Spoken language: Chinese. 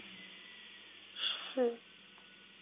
乾隆五十八年癸丑科三甲第三十四名进士。